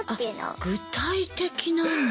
具体的なんだ。